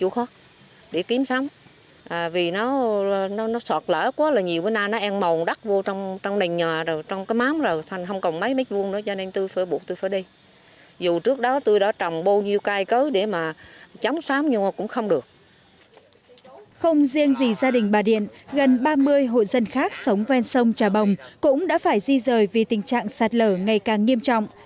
không riêng gì gia đình bà điện gần ba mươi hộ dân khác sống ven sông trà bồng cũng đã phải di rời vì tình trạng sạt lở ngày càng nghiêm trọng